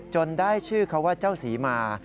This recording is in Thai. ได้ชื่อเขาว่าเจ้าศรีมา